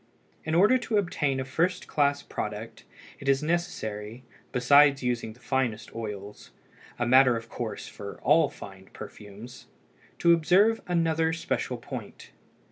In order to obtain a first class product, it is necessary, besides using the finest oils—a matter of course for all fine perfumes—to observe another special point.